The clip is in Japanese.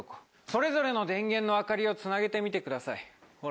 それぞれの電源の明かりをつなげてみてください。